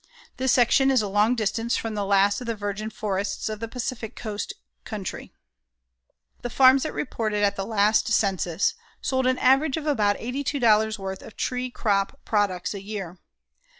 This section is a long distance from the last of the virgin forests of the Pacific Coast country. The farms that reported at the last census sold an average of about $82 worth of tree crop products a year.